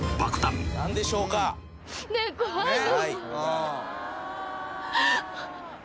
「ねえ怖いの」